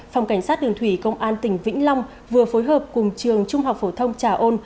phòng cảnh sát đường thủy công an tỉnh vĩnh long vừa phối hợp cùng trường trung học phổ thông trà ôn